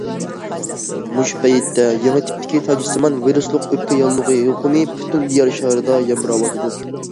مۇشۇ پەيتتە، يېڭى تىپتىكى تاجسىمان ۋىرۇسلۇق ئۆپكە ياللۇغى يۇقۇمى پۈتۈن يەر شارىدا يامراۋاتىدۇ.